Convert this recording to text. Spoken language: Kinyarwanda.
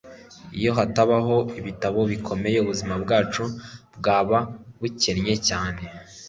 Iyo hataba ibitabo bikomeye, ubuzima bwacu bwaba bukennye cyane